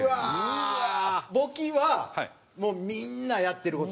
簿記はもうみんなやってる事や？